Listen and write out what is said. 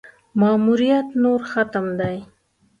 ماموریت نور ختم دی.